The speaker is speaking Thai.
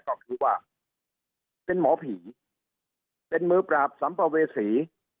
ก็คือว่าเป็นหมอผีเป็นมือปราบสัมภเวษี